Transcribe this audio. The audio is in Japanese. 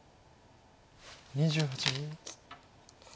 ２８秒。